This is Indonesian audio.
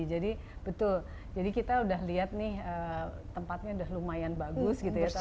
jadi betul jadi kita sudah lihat nih tempatnya sudah lumayan bagus gitu ya